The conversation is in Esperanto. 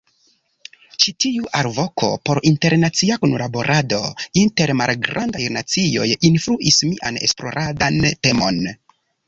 Ĉi tiu alvoko por internacia kunlaborado inter malgrandaj nacioj influis mian esploradan temon.